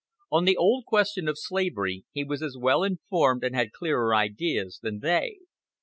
On the old question of slavery he was as well informed and had clearer ideas than they.